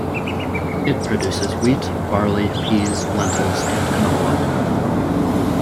It produces wheat, barley, peas, lentils, and canola.